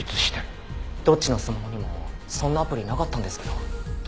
どっちのスマホにもそんなアプリなかったんですけど。